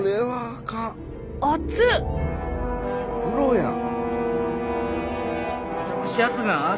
風呂やん。